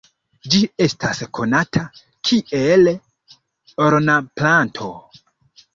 Ĝi estas konata kiel ornamplanto.